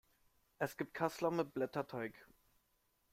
Es gibt Kassler mit Blätterteig.